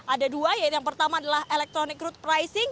ada dua yang pertama adalah electronic route pricing